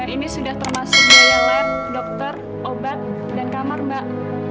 ini sudah termasuk biaya lab dokter obat dan kamar mbak